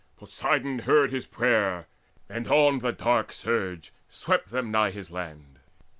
Poseidon heard his prayer, And on the dark surge swept them nigh his land.